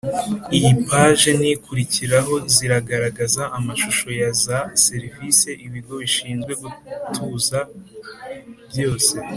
Iyi paje n ikurikiraho ziragaragaza amashusho ya za serivise ibigo bishinzwe gutuza byose